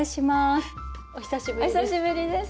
お久しぶりです。